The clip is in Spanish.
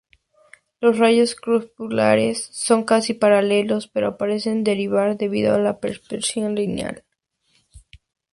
Los rayos crepusculares son casi paralelos, pero parecen divergir debido a la perspectiva lineal.